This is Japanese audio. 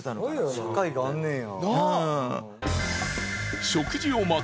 社会があんねんや。